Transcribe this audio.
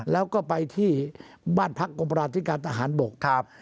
แล้วก็ไปที่บ้านพักฯกลุ่มประดาษจิตการอาหารมก